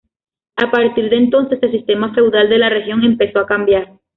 A partir de entonces, el sistema feudal de la región empezó a cambiar.